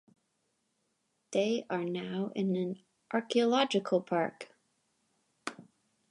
They are now in an "archaeological park".